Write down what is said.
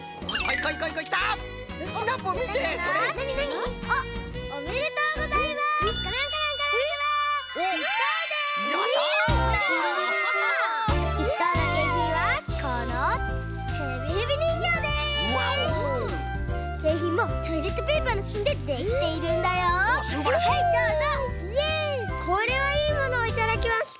これはいいものをいただきました。